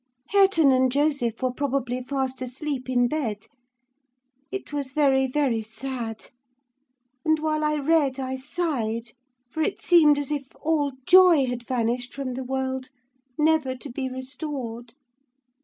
Hareton and Joseph were probably fast asleep in bed. It was very, very sad: and while I read I sighed, for it seemed as if all joy had vanished from the world, never to be restored.